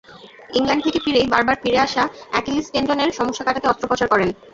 England থেকে ফিরেই বারবার ফিরে আসা অ্যাকিলিস টেন্ডনের সমস্যা কাটাতে অস্ত্রোপচার করান।